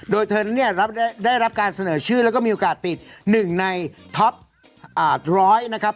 โดยเธอนั้นเนี่ยได้รับการเสนอชื่อแล้วก็มีโอกาสติด๑ในท็อปร้อยนะครับ